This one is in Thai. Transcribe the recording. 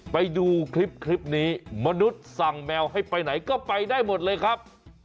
ไปดูคลิปนี้มนุษย์สั่งแมวให้ไปไหนก็ไปได้หมดเลยครับ